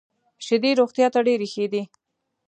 شیدې روغتیا ته ډېري ښه دي .